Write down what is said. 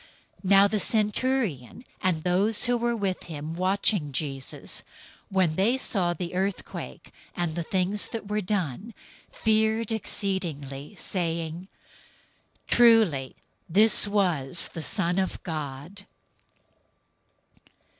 027:054 Now the centurion, and those who were with him watching Jesus, when they saw the earthquake, and the things that were done, feared exceedingly, saying, "Truly this was the Son of God."